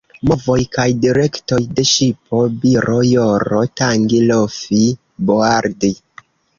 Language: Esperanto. Movoj kaj direktoj de ŝipo: biro, joro, tangi, lofi, boardi.